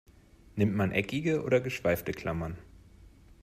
Nimmt man eckige oder geschweifte Klammern?